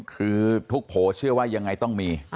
คือทุกโผช่ววายังไงต้องมี